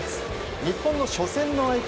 日本の初戦の相手